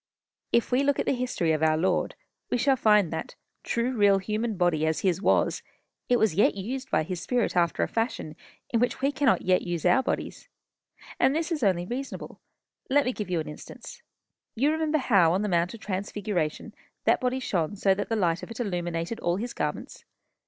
If we look at the history of our Lord, we shall find that, true real human body as his was, it was yet used by his spirit after a fashion in which we cannot yet use our bodies. And this is only reasonable. Let me give you an instance. You remember how, on the Mount of Transfiguration, that body shone so that the light of it illuminated all his garments.